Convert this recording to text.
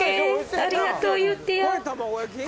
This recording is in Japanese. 「ありがとう」言うてよ。